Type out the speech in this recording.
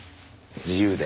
自由で。